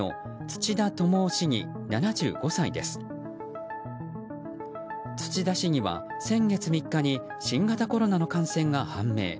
土田市議は先月３日に新型コロナの感染が判明。